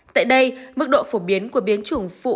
tại đây mức độ phổ biến của biến chủng phụ